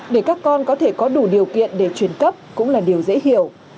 để các con có thể có đủ điều kiện để truyền cấp cũng là điều dễ hiểu